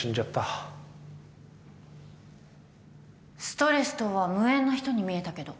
ストレスとは無縁な人に見えたけど。